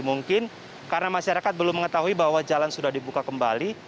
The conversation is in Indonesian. mungkin karena masyarakat belum mengetahui bahwa jalan sudah dibuka kembali